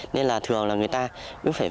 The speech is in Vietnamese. nên là thường là người ta biết phải vệ